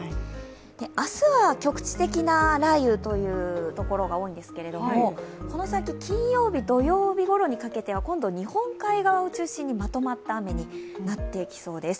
明日は局地的な雷雨というところが多いんですけれどもこの先金曜日、土曜日ごろにかけては今度日本海側を中心にまとまった雨になっていきそうです。